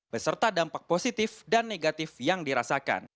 beserta dampak positif dan negatif yang dirasakan